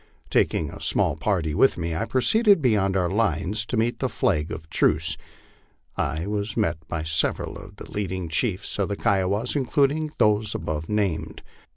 Tak ing a small party with me, I proceeded beyond our lines to meet the flag of truce. I was met by several of the leading chiefs of the Kiowas, including those above named.